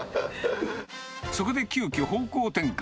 そこで急きょ、方向転換。